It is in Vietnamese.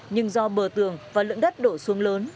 nhưng do bờ tường và lượng đất đổ xuống lớn